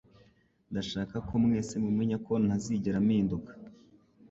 Ndashaka ko mwese mumenya ko ntazigera mpinduka.